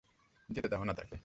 যেতে দাও না তাকে।